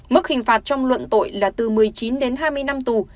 mức hình phạt trong luận tội là từ một mươi chín đến hai mươi năm tù